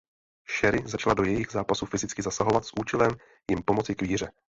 Cherry začala do jejich zápasů fyzicky zasahovat s účelem jim pomoci k výhře.